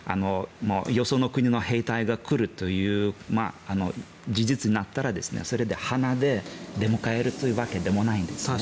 よその国の兵隊が来るという事実になったらそれで花で出迎えるというわけでもないんですね。